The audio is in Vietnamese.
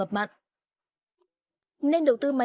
sao không đầu tư nghiên cứu ứng dụng cho những vùng ngập mặn